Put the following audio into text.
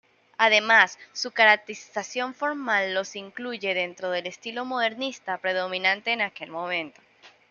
Además, su caracterización formal los incluye dentro del estilo modernista, predominante en aquel momento.